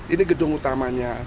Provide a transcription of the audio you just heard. ini gedung utamanya